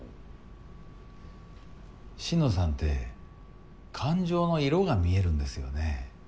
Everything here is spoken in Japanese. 心野さんって感情の色が見えるんですよね？